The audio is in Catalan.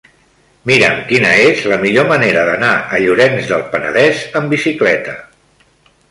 Mira'm quina és la millor manera d'anar a Llorenç del Penedès amb bicicleta.